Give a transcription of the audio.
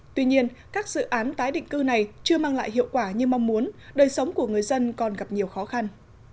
tuy nhiên các dự án tái định cư này chưa mang lại hiệu quả như mong muốn đời sống của người dân còn gặp nhiều khó khăn